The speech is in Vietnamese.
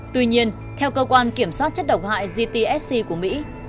tuy nhiên theo cơ quan kiểm soát chất độc hại gtsc của mỹ